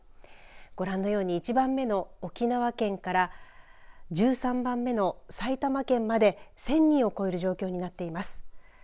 ご覧のように１番目の沖縄県から１３番目の埼玉県まで１０００人を超える状況になっています。